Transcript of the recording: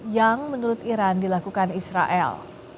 yang menurut iran dilakukan israel